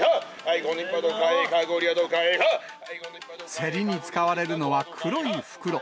競りに使われるのは黒い袋。